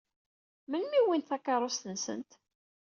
Melmi i wwint takeṛṛust-nsent?